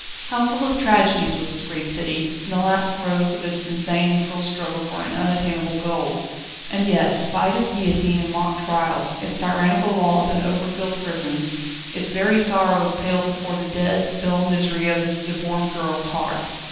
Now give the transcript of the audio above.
How full of tragedies was this great city, in the last throes of its insane and cruel struggle for an unattainable goal. And yet, despite its guillotine and mock trials, its tyrannical laws and overfilled prisons, its very sorrows paled before the dead, dull misery of this deformed girl's heart.